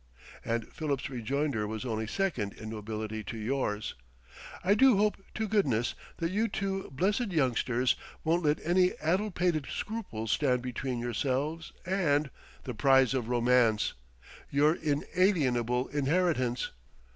And Philip's rejoinder was only second in nobility to yours.... I do hope to goodness that you two blessed youngsters won't let any addlepated scruples stand between yourselves and the prize of Romance, your inalienable inheritance!"